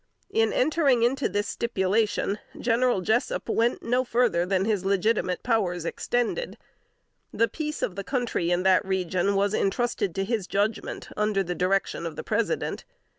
In entering into this stipulation, General Jessup went no farther than his legitimate powers extended. The peace of the country in that region was entrusted to his judgment, under the direction of the President.